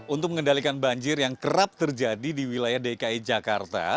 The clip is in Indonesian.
untuk mengendalikan banjir yang kerap terjadi di wilayah dki jakarta